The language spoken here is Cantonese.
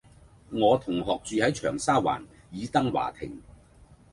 我同學住喺長沙灣爾登華庭